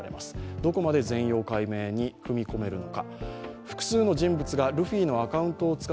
どこまで全容解明に踏み込めるのか。